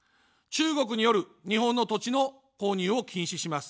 中国による日本の土地の購入を禁止します。